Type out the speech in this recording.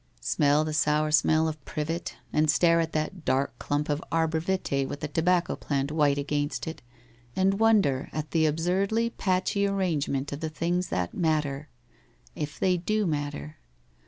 —' smell the sour smell of privet, and stare at that dark clump of arbour vitae with the tobacco plant white against it, and wonder at the absurdly patchy arrangement of the things that matter — if they do matter?